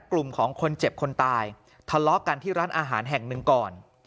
กลุ่มของคนเจ็บคนตายทะเลาะกันที่ร้านอาหารแห่งหนึ่งก่อน